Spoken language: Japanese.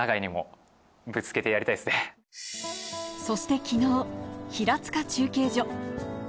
そして昨日、平塚中継所。